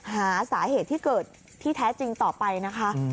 หาสาเหตุที่เกิดที่แท้จริงต่อไปนะคะ